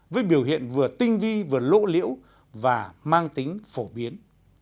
với biểu hiện vừa tinh vi vừa lỗ liễu và mang tính phổ biến